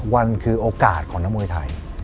วันคือโอกาสของนักมวยไทย